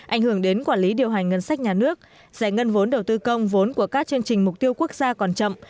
ảnh hưởng đến quản lý điều hành ngân sách nhà nước giải ngân vốn đầu tư công vốn của các chương trình mục tiêu quốc gia còn chậm